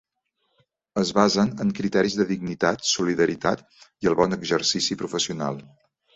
Es basen en criteris de dignitat, solidaritat i el bon exercici professional.